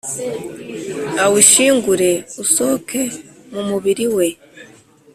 awishingure usohoke mu mubiri we